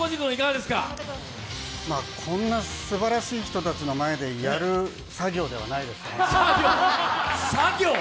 こんなすばらしい人たちの前でやる作業ではないですからね。